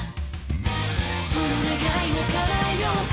「その願いを叶えようか」